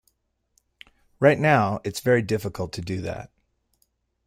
Right now, it's very difficult to do that.